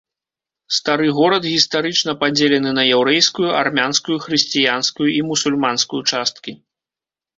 Стары горад гістарычна падзелены на яўрэйскую, армянскую, хрысціянскую і мусульманскую часткі.